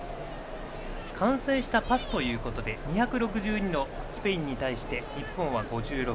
完成したパスというところで２６２のスペインに対して日本は５６。